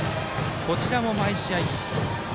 こちらも毎試合、ヒット。